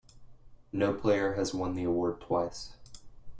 No player has won the award twice.